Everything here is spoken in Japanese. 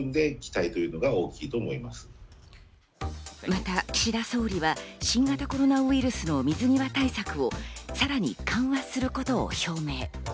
また岸田総理は新型コロナウイルスの水際対策をさらに緩和することを表明。